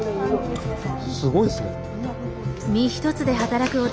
すごいですね。